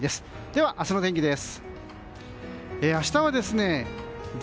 では明日の天気です。